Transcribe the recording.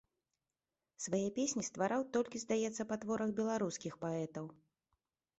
Свае песні ствараў толькі, здаецца, па творах беларускіх паэтаў.